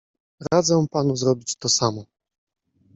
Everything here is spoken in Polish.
Radzę panu zrobić to samo.